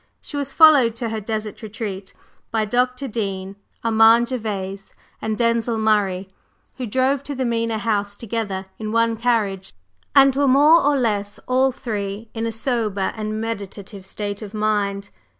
She was followed to her desert retreat by Dr. Dean, Armand Gervase, and Denzil Murray, who drove to the Mena House together in one carriage, and were more or less all three in a sober and meditative frame of mind.